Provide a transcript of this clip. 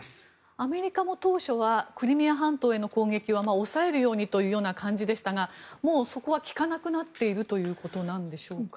アメリカも当初はクリミア半島への攻撃は抑えるようにというような感じでしたがもうそこは聞かなくなっているということなんでしょうか。